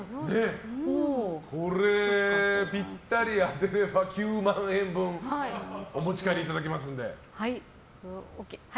これぴったり当てれば９万円分お持ち帰りいただけますんで。